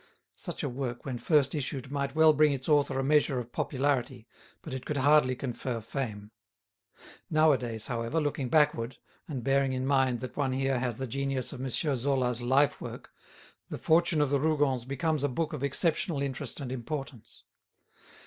Such a work when first issued might well bring its author a measure of popularity, but it could hardly confer fame. Nowadays, however, looking backward, and bearing in mind that one here has the genius of M. Zola's lifework, "The Fortune of the Rougons" becomes a book of exceptional interest and importance.